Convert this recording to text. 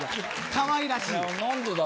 かわいらしい。